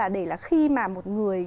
để là khi mà một người